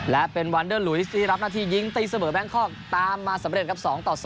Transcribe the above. และเป็นวันเดอร์ลุยสที่รับหน้าที่ยิงตีเสมอแบงคอกตามมาสำเร็จครับ๒ต่อ๒